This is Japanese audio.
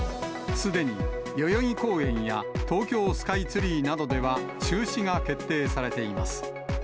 すでに、代々木公園や、東京スカイツリーなどでは中止が決定されています。